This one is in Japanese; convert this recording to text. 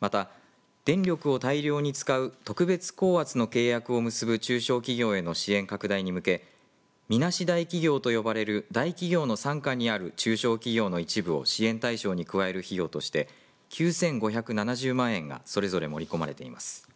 また、電力を大量に使う特別高圧の契約を結ぶ中小企業への支援拡大に向けみなし大企業と呼ばれる大企業の傘下にある中小企業の一部を支援対象に加える費用として９５７０万円がそれぞれ盛り込まれています。